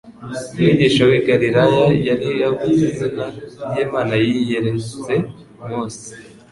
Umwigisha w'i Galilaya yari avuze izina ry'Imana yiyeretse Mose